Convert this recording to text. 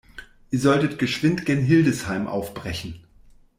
Ihr solltet geschwind gen Hildesheim aufbrechen.